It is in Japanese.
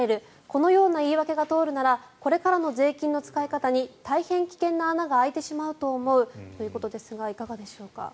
このような言い訳が通るならこれからの税金の使い方に大変危険な穴が開いてしまうということですがいかがでしょうか。